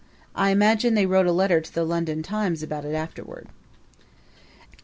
I imagine they wrote a letter to the London Times about it afterward.